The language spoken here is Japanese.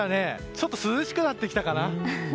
ちょっと涼しくなってきたかな？